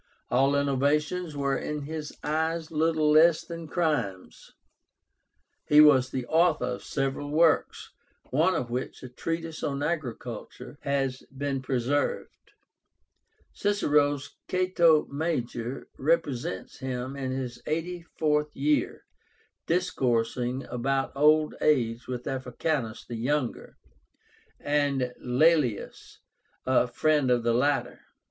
All innovations were in his eyes little less than crimes. He was the author of several works, one of which, a treatise on agriculture, has been preserved. Cicero's "Cato Major" represents him in his eighty fourth year discoursing about old age with Africánus the younger, and Laelius, a friend of the latter.